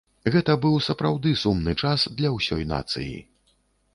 Гэта быў сапраўды сумны час для ўсёй нацыі.